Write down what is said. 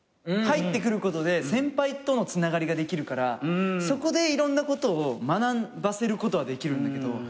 入ってくることで先輩とのつながりができるからそこでいろんなことを学ばせることはできるんだけど。